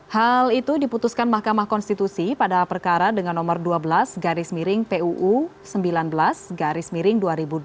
hal itu diputuskan mahkamah konstitusi pada perkara dengan nomor dua belas garis miring puu sembilan belas garis miring dua ribu dua puluh